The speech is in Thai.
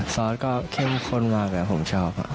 ซอสก็เข้มข้นมากครับผมชอบ